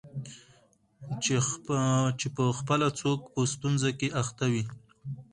چي پخپله څوک په ستونزه کي اخته وي